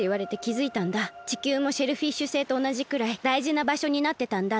地球もシェルフィッシュ星とおなじくらいだいじなばしょになってたんだって。